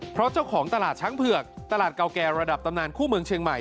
เพราะเจ้าของตลาดช้างเผือกตลาดเก่าแก่ระดับตำนานคู่เมืองเชียงใหม่